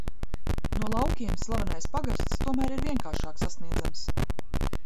No laukiem slavenais pagasts tomēr ir vienkāršāk sasniedzams.